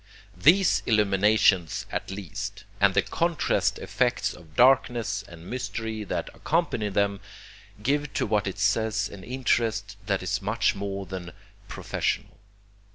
These illuminations at least, and the contrast effects of darkness and mystery that accompany them, give to what it says an interest that is much more than professional.